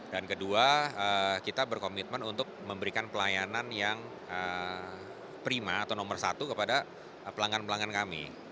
dan kedua kita berkomitmen untuk memberikan pelayanan yang prima atau nomor satu kepada pelanggan pelanggan kami